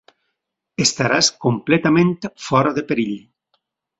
Estaràs completament fora de perill.